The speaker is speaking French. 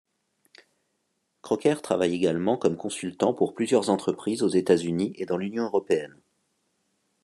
Crocker travaille également comme consultant pour plusieurs entreprises aux États-Unis et dans l'Union européenne.